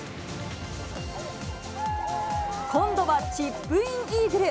今度はチップインイーグル。